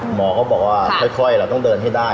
หมอก็บอกว่าค่อยเราต้องเดินให้ได้